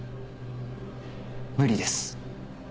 無理です。